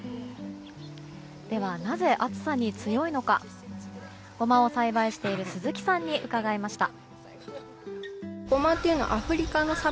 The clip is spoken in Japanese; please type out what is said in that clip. なぜ、暑さに強いのかゴマを栽培している鈴木さんに伺いました。